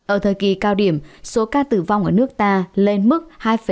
ở thời kỳ cao điểm số ca tử vong ở nước ta lên mức hai ba